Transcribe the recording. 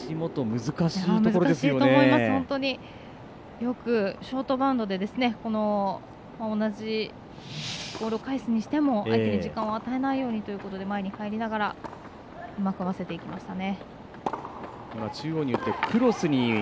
よくショートバウンドでこの同じボールを返すにしても相手に時間を与えないようにということで前に入りながらうまく合わせていきましたね。